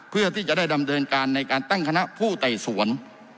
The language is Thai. เพื่อที่จะได้ดำเนินการในการตั้งคณะผู้ไต่สวน